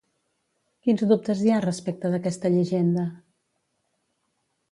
Quins dubtes hi ha respecte d'aquesta llegenda?